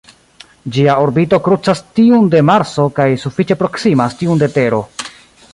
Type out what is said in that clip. Ĝia orbito krucas tiun de Marso kaj sufiĉe proksimas tiun de Tero.